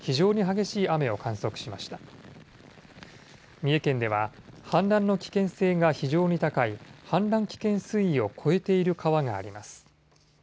三重県では氾濫の危険性が非常に高い氾濫危険水位を超えている川があります。